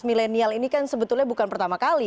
milenial ini kan sebetulnya bukan pertama kali